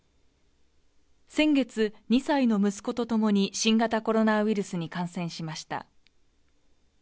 先月２歳の息子とともに新型コロナウイルスに感染しました。